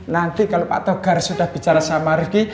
nanti kalau pak togar sudah bicara sama ricky